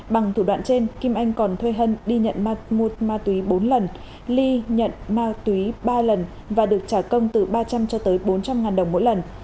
bằng thủ đoạn trên kim anh còn thuê hân đi nhận một ma túy bốn lần ly nhận ma túy ba lần và được trả công từ ba trăm linh cho tới bốn trăm linh ngàn đồng mỗi lần